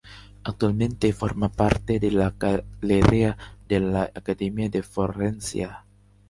Actualmente forma parte de la Galería de la Academia de Florencia.